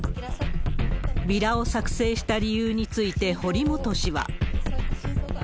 ビラを作製した理由について、堀本氏は。